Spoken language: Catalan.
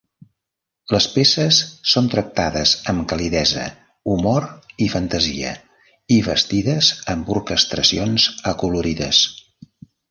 Les peces són tractades amb calidesa, humor i fantasia, i vestides amb orquestracions acolorides.